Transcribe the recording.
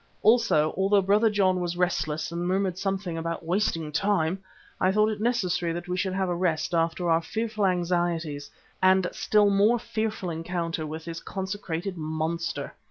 Also, although Brother John was restless and murmured something about wasting time, I thought it necessary that we should have a rest after our fearful anxieties and still more fearful encounter with this consecrated monster.